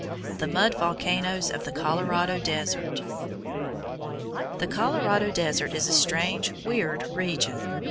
THE MUD VOLCANOES OF THE COLORADO DESERT The Colorado Desert is a strange, weird region.